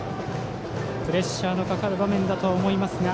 プレッシャーのかかる場面だとは思いますが